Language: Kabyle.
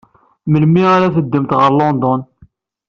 Melmi ara teddumt ɣer London?